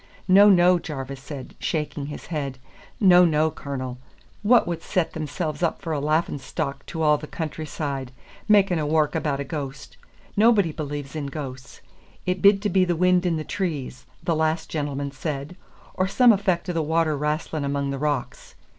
"No, no," Jarvis said, shaking his head, "No, no, Cornel. Wha wad set themsels up for a laughin' stock to a' the country side, making a wark about a ghost? Naebody believes in ghosts. It bid to be the wind in the trees, the last gentleman said, or some effec' o' the water wrastlin' among the rocks.